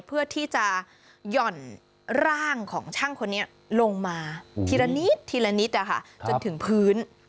เพื่อที่จะหย่อนร่างของช่างคนนี้ลงมาทีละนิดทีละนิดจนถึงพื้น